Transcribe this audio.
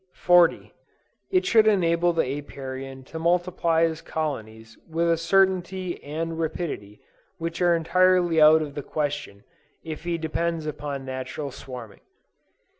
40. It should enable the Apiarian to multiply his colonies with a certainty and rapidity which are entirely out of the question, if he depends upon natural swarming.